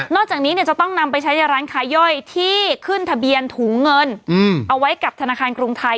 จากนี้จะต้องนำไปใช้ในร้านค้าย่อยที่ขึ้นทะเบียนถุงเงินเอาไว้กับธนาคารกรุงไทย